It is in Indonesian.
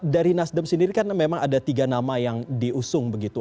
dari nasdem sendiri kan memang ada tiga nama yang diusung begitu